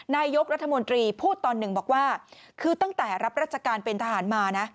นายกรัฐมนตรีพูดตอนหนึ่งบอกว่าคือตั้งแต่รับราชการเป็นทหารมานะ